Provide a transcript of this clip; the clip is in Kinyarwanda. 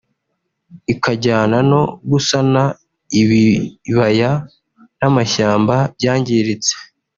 ikajyana no gusana ibibaya n’amashyamba byangiritse